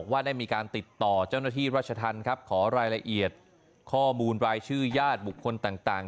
ว่าได้มีการติดต่อเจ้าหน้าที่รัชธรรมครับขอรายละเอียดข้อมูลรายชื่อญาติบุคคลต่าง